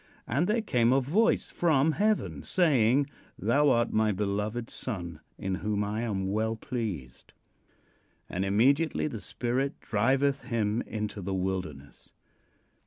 "And there came a voice from heaven, saying: 'Thou art my beloved Son, in whom I am well pleased.' "And immediately the Spirit driveth him into the wilderness."